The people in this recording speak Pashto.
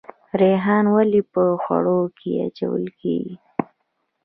ریحان ولې په خوړو کې اچول کیږي؟